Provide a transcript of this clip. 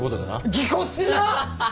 ぎこちなっ！